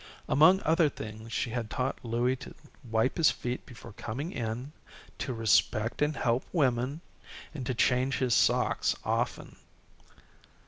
Among other things she had taught Louie to wipe his feet before coming in, to respect and help women, and to change his socks often.